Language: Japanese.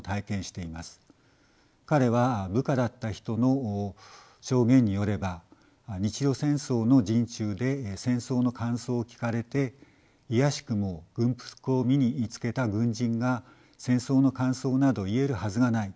彼は部下だった人の証言によれば日露戦争の陣中で戦争の感想を聞かれて「いやしくも軍服を身に着けた軍人が戦争の感想など言えるはずがない。